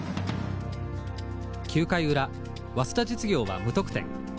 ９回裏早稲田実業は無得点。